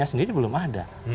sendiri belum ada